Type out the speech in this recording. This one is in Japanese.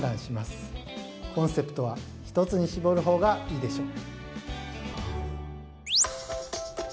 コンセプトはひとつに絞るほうがいいでしょう。